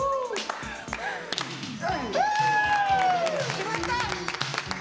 決まった！